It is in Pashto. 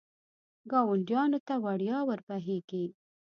ګاونډیانو ته وړیا ور بهېږي.